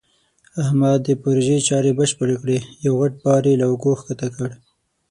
احمد د پروژې چارې بشپړې کړې. یو غټ بار یې له اوږو ښکته کړ.